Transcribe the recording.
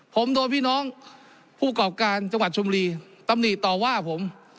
ผมโดนพี่น้องผู้กรอบการจังหวัดชมรีตำหนิต่อว่าผม